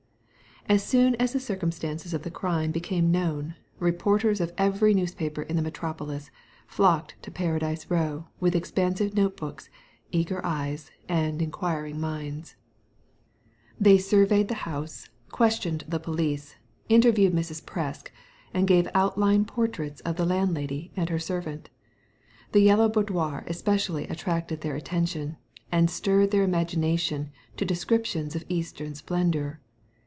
As soon as the circumstances of the crime became known, the repoijers of every newspaper in the metropolis flocked to Paradise Row with expansive notebooks, eager eyes, and inquiring minds. They Digitized by Google 36 THE LADY FROM NOWHERE surveyed the house, questioned the police, inter viewed Mrs. Presk, and gave outline portraits of the landlady and^her servant The Yellow Boudoir especially attracted their attention, and stirred their imagination to descriptions of Eastern splendour.